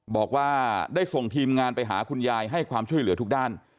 บอกว่าได้ส่งทีมงานไปหาคุณยายให้ความช่วยเหลือทุกด้าน